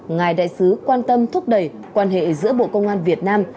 ngài đại sứ quan tâm thúc đẩy quan hệ giữa bộ công an việt nam